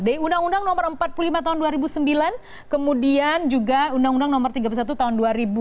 di undang undang nomor empat puluh lima tahun dua ribu sembilan kemudian juga undang undang nomor tiga puluh satu tahun dua ribu dua